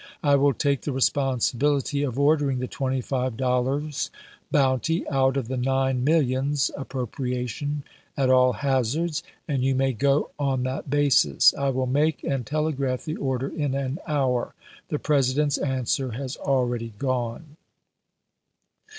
I will take the responsibility of ordering the $25 bounty out of the nine millions [appropriation] at all hazards, and you may go on that basis. I will make and tele graph the order in an hour. The President's an swer has already gone."